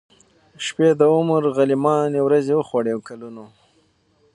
شپې د عمر غلیماني ورځي وخوړې کلونو